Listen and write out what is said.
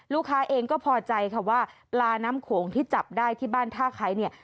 ลูกค้าเองก็พอใจค่ะว่าปลาน้ำโขงที่จับได้ที่บ้านท่าไคร้เนี่ย